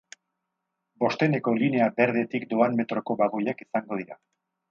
Bosteneko linea berdetik doan metroko bagoiak izango dira.